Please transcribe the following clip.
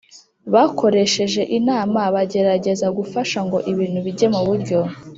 bakoresheje inama bagerageza gufasha ngo ibintu bige mu buryo